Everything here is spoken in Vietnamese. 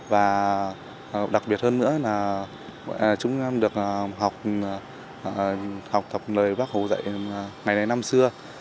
và đặc biệt hơn nữa là chúng em được học tập lời bác hồ dạy ngày này năm xưa